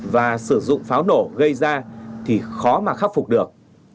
và sử dụng pháo nổ gây ra thì khó mà khắc phục được